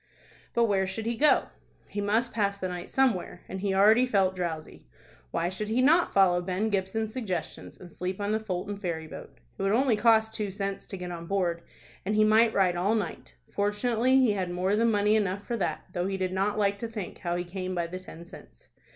But where should he go? He must pass the night somewhere, and he already felt drowsy. Why should he not follow Ben Gibson's suggestions, and sleep on the Fulton ferry boat? It would only cost two cents to get on board, and he might ride all night. Fortunately he had more than money enough for that, though he did not like to think how he came by the ten cents.